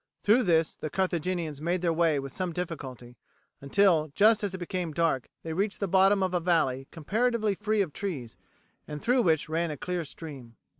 Through this the Carthaginians made their way with some difficulty, until, just as it became dark, they reached the bottom of a valley comparatively free of trees and through which ran a clear stream.